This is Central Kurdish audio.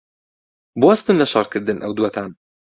بوەستن لە شەڕکردن، ئەو دووەتان!